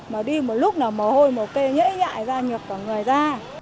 mà đi một lúc là mồ hôi một cây nhễ nhại ra nhược cả người ra